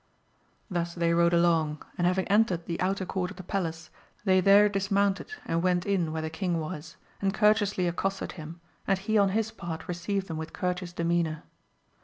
Thus they rode along, and having entered the V AMADIS OF GAUL 111 outer court of the palace, they there dismounted, and went in where the king was, and courteously accosted him, and he on his part received them with courteous demeanour.